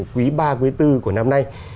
quý ba quý bốn của năm nay